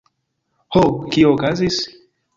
Ho? Kio okazis?